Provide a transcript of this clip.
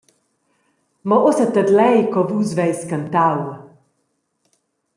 «Mo ussa tedlei co vus veis cantau.»